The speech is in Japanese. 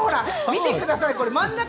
見てください。